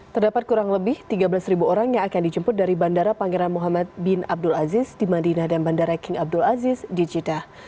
terdapat kurang lebih tiga belas orang yang akan dijemput dari bandara pangeran muhammad bin abdul aziz di madinah dan bandara king abdul aziz di jidah